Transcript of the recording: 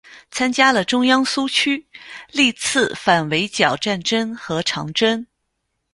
参加了中央苏区历次反围剿战争和长征。